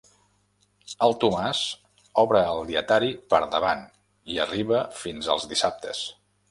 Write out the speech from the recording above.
El Tomàs obre el dietari per davant i arriba fins als dissabtes.